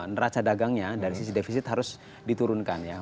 neraca dagangnya dari sisi defisit harus diturunkan ya